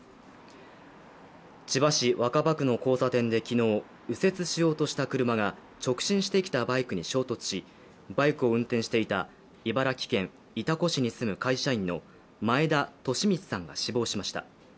千葉市若葉区の交差点で昨日右折しようとした車が直進してきたバイクに衝突しバイクを運転していた茨城県潮来市に住む会社員の前田利通さんが死亡しました。